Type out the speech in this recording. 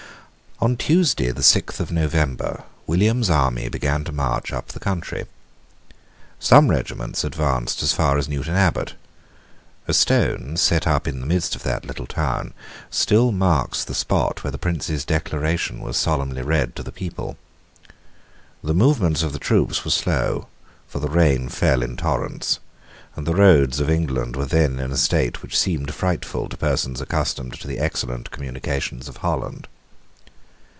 On Tuesday, the sixth of November, William's army began to march up the country. Some regiments advanced as far as Newton Abbot. A stone, set up in the midst of that little town, still marks the spot where the Prince's Declaration was solemnly read to the people. The movements of the troops were slow: for the rain fell in torrents; and the roads of England were then in a state which seemed frightful to persons accustomed to the excellent communications of Holland.